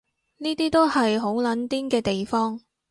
呢啲都係好撚癲嘅地方